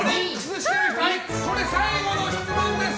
最後の質問です！